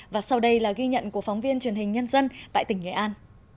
và sau đây là ghi nhận của phóng viên truyền hình nhân dân tại tỉnh nghệ an